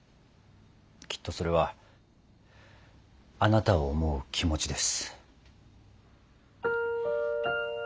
きっとそれはあなたを思う気持ちです。